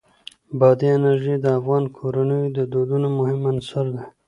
بادي انرژي د افغان کورنیو د دودونو مهم عنصر دی.